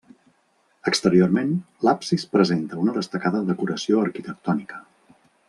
Exteriorment, l'absis presenta una destacada decoració arquitectònica.